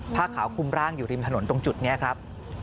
ผ้าขาวคุมร่างอยู่ริมถนนตรงจุดนี้ครับ